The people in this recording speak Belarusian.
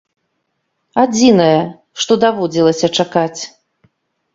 Адзінае, што даводзілася чакаць.